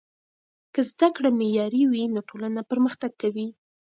که زده کړه معیاري وي نو ټولنه پرمختګ کوي.